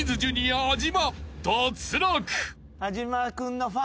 安嶋君のファン